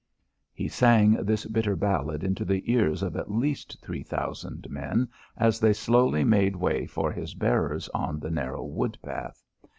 He sang this bitter ballad into the ears of at least three thousand men as they slowly made way for his bearers on the narrow wood path.